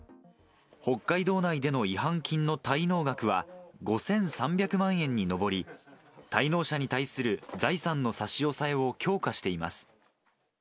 北海道内での違反金の滞納額は５３００万円に上り、滞納者に対する財産の差し押さえを強化しています。